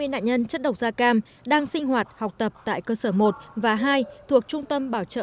hai mươi nạn nhân chất độc da cam đang sinh hoạt học tập tại cơ sở một và hai thuộc trung tâm bảo trợ